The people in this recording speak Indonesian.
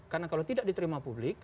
karena kalau tidak diterima publik